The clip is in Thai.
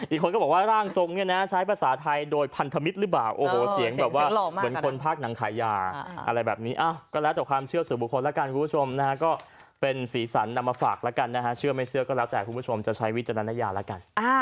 อีกคนก็บอกว่าร่างทรงเนี่ยใช้ภาษาไทยโดยพันธมิตรหรือเปล่า